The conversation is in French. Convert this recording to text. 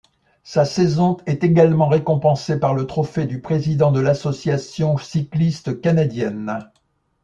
Sa saison est également récompensée par le Trophée du président de l'Association cycliste canadienne.